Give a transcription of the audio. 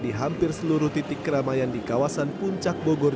di hampir seluruh titik keramaian di kawasan puncak bogor